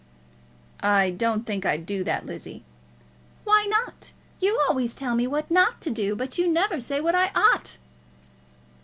"I don't think I'd do that, Lizzie." "Why not? You always tell me what not to do, but you never say what I ought!"